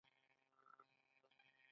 خپل ژوند په خوښۍ تیر کړئ